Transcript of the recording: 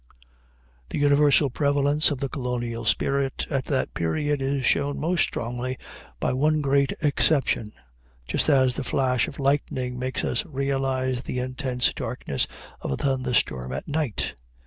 The universal prevalence of the colonial spirit at that period is shown most strongly by one great exception, just as the flash of lightning makes us realize the intense darkness of a thunder storm at night.